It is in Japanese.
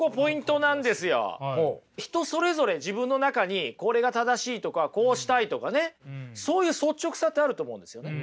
人それぞれ自分の中にこれが正しいとかこうしたいとかねそういう率直さってあると思うんですよね。